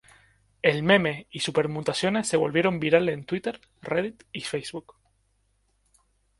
El meme y sus permutaciones se volvieron virales en Twitter, Reddit y Facebook.